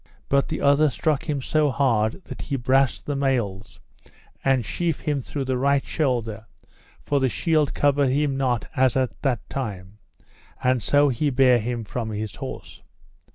But the other struck him so hard that he brast the mails, and sheef him through the right shoulder, for the shield covered him not as at that time; and so he bare him from his horse.